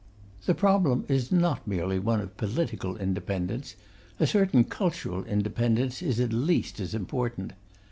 The problem is not merely one of political independence; a certain cultural independence is at least as important.